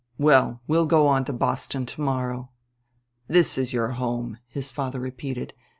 ...Well, we'll go on to Boston to morrow." "This is your home," his father repeated.